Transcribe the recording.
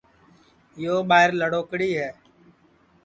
یو ٻائیر لڑوکڑی ہے